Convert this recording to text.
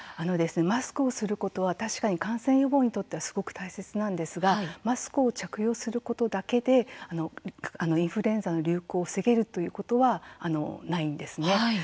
マスクをすることは確かに感染予防にとってはすごく大切なんですがマスクを着用することだけでインフルエンザの流行を防げるということはないんですね。